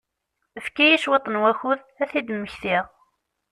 Efk-iyi cwiṭ n wakud ad t-id-mmektiɣ.